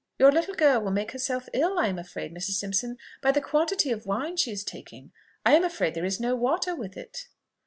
"Your little girl will make herself ill, I am afraid, Mrs. Simpson, by the quantity of wine she is taking: I am afraid there is no water with it."